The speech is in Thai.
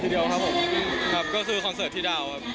เดียวครับผมครับก็คือคอนเสิร์ตที่ดาวครับ